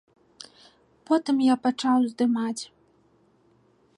Потым я пачаў здымаць.